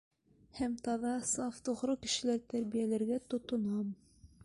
Һәм таҙа, саф, тоғро кешеләр тәрбиәләргә тотонам!